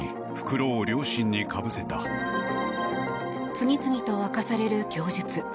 次々と明かされる供述。